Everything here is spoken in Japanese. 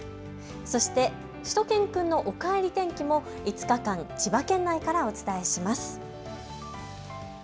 そしてしゅと犬くんのおかえり天気も５日間千葉県内からお届けします。